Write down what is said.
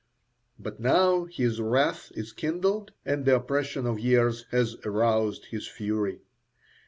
But now his wrath is kindled and the oppression of years has aroused his fury.